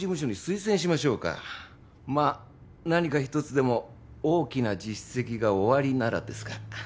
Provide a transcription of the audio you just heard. まあ何か一つでも大きな実績がおありならですが。